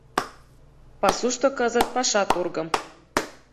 — Пасушто кызыт паша тургым